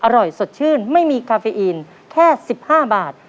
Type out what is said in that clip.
อร่อยสดชื่นไม่มีคาเฟอีนแค่๑๕บาท